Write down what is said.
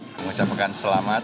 saya mengucapkan selamat